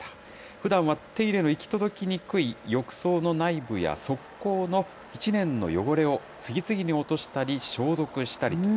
ふだんは手入れの行き届きにくい、浴槽の内部や側溝の１年の汚れを次々に落としたり、消毒したり。